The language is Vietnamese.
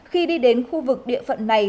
khi đi đến khu vực địa phận này